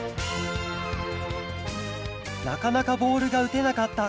なかなかボールがうてなかった